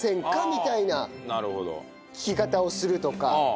みたいな聞き方をするとか。